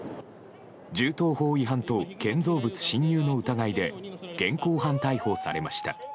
銃刀法違反と建造物侵入の疑いで現行犯逮捕されました。